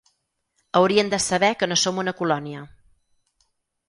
Haurien de saber que no som una colònia.